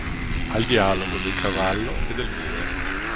Al dialogo del cavallo e del bue.